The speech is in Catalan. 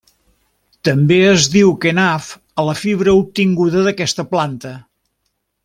També es diu kenaf a la fibra obtinguda d'aquesta planta.